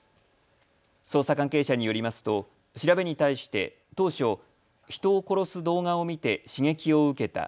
捜査関係者によりますと調べに対して当初、人を殺す動画を見て刺激を受けた。